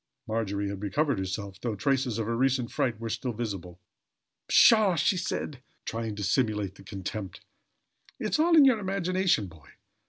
Margery had recovered herself, though traces of her recent fright were still visible. "Pshaw!" she cried, trying to simulate contempt. "It's all in your imagination, boy.